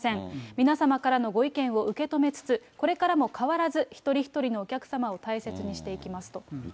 皆様からのご意見を受け止めつつ、これからも変わらず一人一人のお客様を大切にしていきますと。